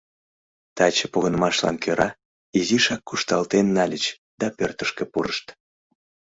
Таче погынымашлан кӧра изишак кушталтен нальыч да пӧртышкӧ пурышт.